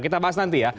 kita bahas nanti ya